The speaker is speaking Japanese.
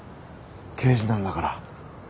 刑事なんだから。